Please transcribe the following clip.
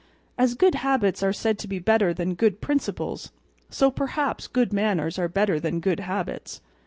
As good habits are said to be better than good principles, so, perhaps, good manners are better than good habits.